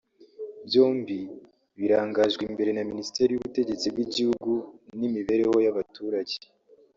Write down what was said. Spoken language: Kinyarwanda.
byombi birangajwe imbere na Minisiteri y’ubutegetsi bw’ igihugu n’ imibereho y’abaturage